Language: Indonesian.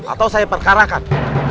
atau saya perkarakan